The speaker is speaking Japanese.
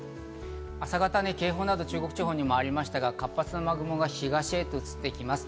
朝方、警報など中国地方にありましたが活発な雨雲が東へと移ってきます。